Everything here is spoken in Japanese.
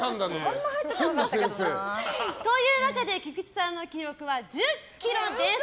あんま入ってこなかったけどな。というわけで菊地さんの記録は１０ｋｇです。